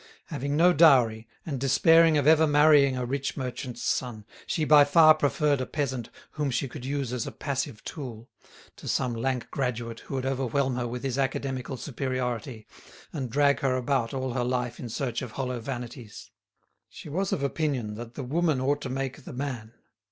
Having no dowry, and despairing of ever marrying a rich merchant's son, she by far preferred a peasant whom she could use as a passive tool, to some lank graduate who would overwhelm her with his academical superiority, and drag her about all her life in search of hollow vanities. She was of opinion that the woman ought to make the man.